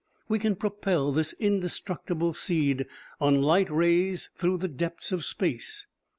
We can propel this indestructible seed on light rays through the depths of space.